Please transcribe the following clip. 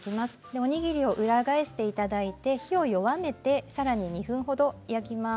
おにぎりを裏返していただいて火を弱めてさらに２分ほど焼きます。